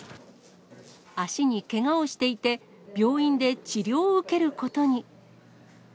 足にけがをしていて、病院で治療を受けることに。